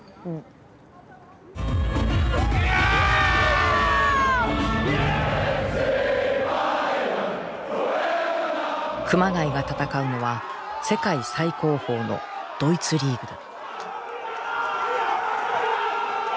ＦＣＢａｙｅｒｎ熊谷が戦うのは世界最高峰のドイツリーグだ。